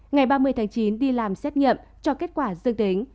ngày ba mươi tháng chín đi làm xét nghiệm cho kết quả dương tính